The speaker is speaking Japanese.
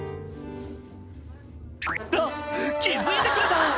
「あっ気付いてくれた！」